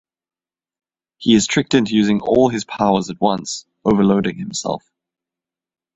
He is tricked into using all his powers at once, overloading himself.